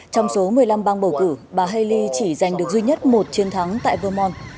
trong số một mươi năm bang bầu cử bà haley chỉ giành được duy nhất một chiến thắng tại vermont